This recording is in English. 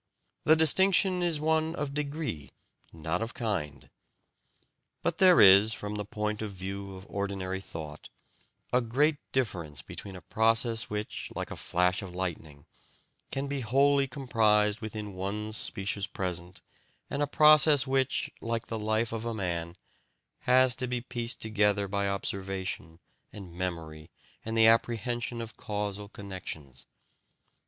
The distinction is one of degree, not of kind. But there is, from the point of view of ordinary thought, a great difference between a process which, like a flash of lightning, can be wholly comprised within one specious present and a process which, like the life of a man, has to be pieced together by observation and memory and the apprehension of causal connections.